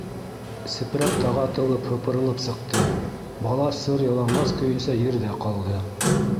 Сепрәк тағатылып һыпырылып сыҡты, бала сыр яланғас көйөнсә ерҙә ҡалды.